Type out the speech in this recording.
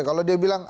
kalau dia bilang